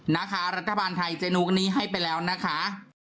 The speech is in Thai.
นะคะรัฐบาลไทยเจนุ๊กนี้ให้ไปแล้วนะคะ